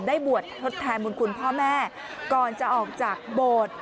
บวชทดแทนบุญคุณพ่อแม่ก่อนจะออกจากโบสถ์